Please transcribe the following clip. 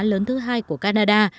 lớn thứ hai của canada